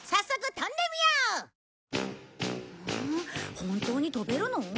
本当に飛べるの？